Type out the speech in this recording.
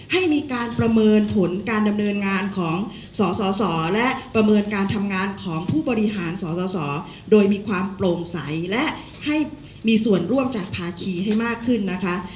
ให้มีการประเมินผลการดำเนินงานของสสและประเมินการทำงานของผู้บริหารสสโดยมีความโปร่งใสและให้มีส่วนร่วมจากภาคีให้มากขึ้นนะคะ